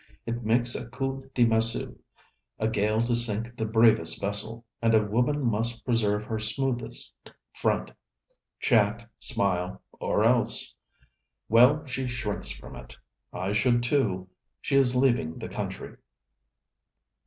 it makes a coup de massue a gale to sink the bravest vessel: and a woman must preserve her smoothest front; chat, smile or else! Well, she shrinks from it. I should too. She is leaving the country.'